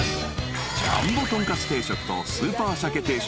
［ジャンボとんかつ定食とスーパーシャケ定食］